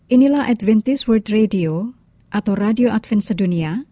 inilah adventist world radio atau radio advent sedunia